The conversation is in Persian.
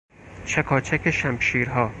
چکاچاک شمشیرها